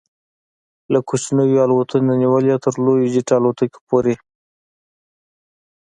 له کوچنیو الوتکو نیولې تر لویو جيټ الوتکو پورې